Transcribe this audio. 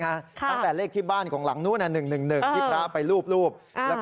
จากบ้านเช่นนั้นพระไปรูปรูป